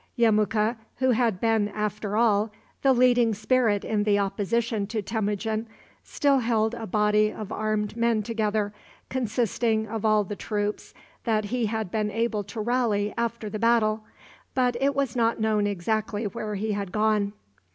Yemuka, who had been, after all, the leading spirit in the opposition to Temujin, still held a body of armed men together, consisting of all the troops that he had been able to rally after the battle, but it was not known exactly where he had gone.